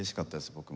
僕も。